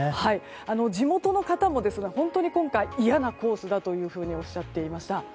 地元の方も、本当に今回嫌なコースだとおっしゃっていました。